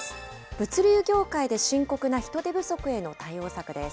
物流業界で深刻な人手不足への対応策です。